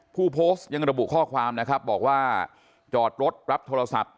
ผู้โพสต์ยังระบุข้อความนะครับบอกว่าจอดรถรับโทรศัพท์